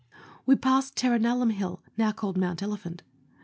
We passed Terrinallum Hill, now called Mount Elephant.